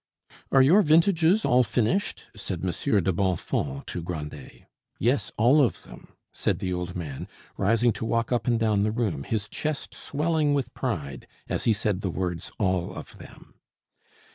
"Are your vintages all finished?" said Monsieur de Bonfons to Grandet. "Yes, all of them," said the old man, rising to walk up and down the room, his chest swelling with pride as he said the words, "all of them."